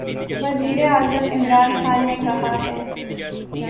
وزیراعظم عمران خان نے کہا ہے